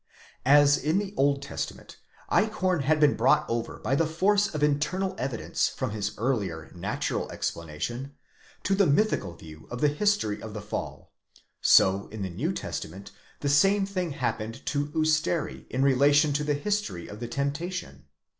As in the Old Testament Eichhorn had been brought over by the force of internal evidence from his earlier natural explanation, to the mythical view of the history of the fall; so in the New Testament, the same thing happened. to Usteri in relation to the history of the temptation.